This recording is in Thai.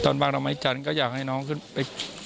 ตอนปรากฏว่าไม้จันทร์ก็อยากให้น้องขึ้นไป